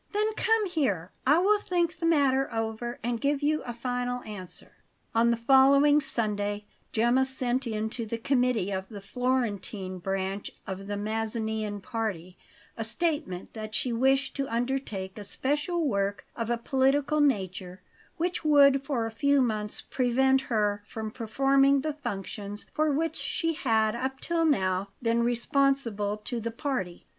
"Then come here. I will think the matter over and give you a final answer." On the following Sunday Gemma sent in to the committee of the Florentine branch of the Mazzinian party a statement that she wished to undertake a special work of a political nature, which would for a few months prevent her from performing the functions for which she had up till now been responsible to the party.